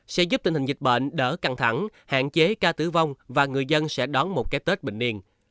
sẽ giúp tình hình dịch bệnh đỡ căng thẳng hạn chế ca tử vong và người dân sẽ đón một cái tết bình niên